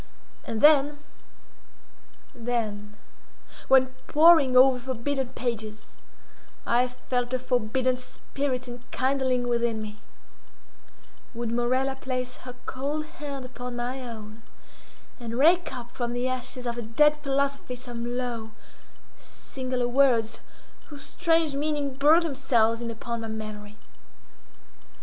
And then—then, when, poring over forbidden pages, I felt a forbidden spirit enkindling within me—would Morella place her cold hand upon my own, and rake up from the ashes of a dead philosophy some low, singular words, whose strange meaning burned themselves in upon my memory.